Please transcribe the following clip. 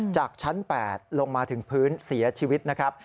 จากชั้น๘ลงมาถึงพื้นเสียชีวิตนะครับ